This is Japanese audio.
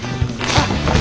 あっ！